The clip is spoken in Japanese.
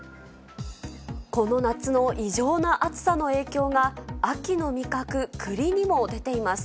この夏の異常な暑さの影響が、秋の味覚、栗にも出ています。